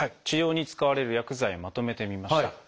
治療に使われる薬剤まとめてみました。